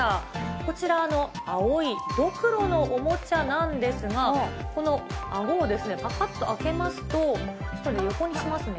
こちら青いどくろのおもちゃなんですが、このあごをぱかっと開けますと、横にしますね。